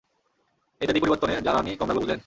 এতে দিক পরিবর্তনে জ্বালানি কম লাগল বুঝলেন?